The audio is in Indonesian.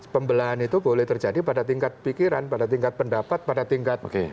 pembelahan itu boleh terjadi pada tingkat pikiran pada tingkat pendapat pada tingkat